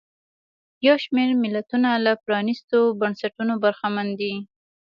یو شمېر ملتونه له پرانیستو بنسټونو برخمن دي.